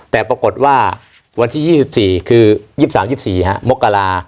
แต่ปรากฏว่าวันที่๒๔คือ๒๓๒๔มกรา